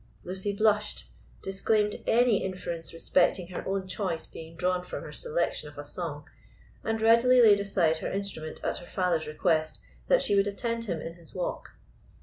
Lucy blushed, disclaimed any inference respecting her own choice being drawn from her selection of a song, and readily laid aside her instrument at her father's request that she would attend him in his walk.